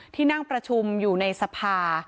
ที่นั่งประชุมอยู่ในสภา